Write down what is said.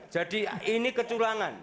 jadi ini kecurangan